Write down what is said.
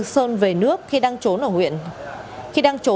sơn về nước khi đang trốn